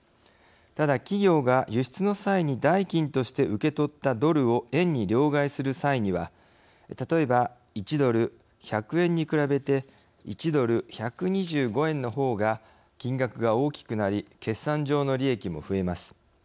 ただ、企業が輸出の際に代金として受け取ったドルを円に両替する際には例えば、１ドル１００円に比べて１ドル１２５円の方が金額が大きくなり決算上の利益も増えます。